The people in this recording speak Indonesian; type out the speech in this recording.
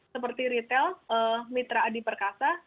seperti retail mitra adi perkasa